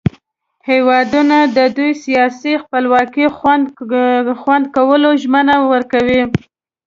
هیوادونو د دوئ سیاسي خپلواکي خوندي کولو ژمنه وکړه.